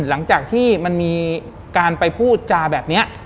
หลังจากที่มันมีการไปพูดจาแบบนี้